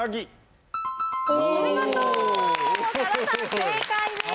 正解です！